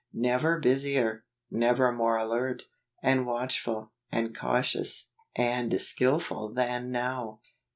Never busier, never more alert, and watchful, and cautious, and skill¬ ful than now.